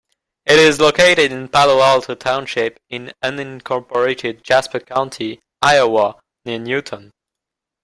It is located in Palo Alto Township, in unincorporated Jasper County, Iowa, near Newton.